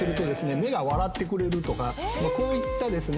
目が笑ってくれるとかこういったですね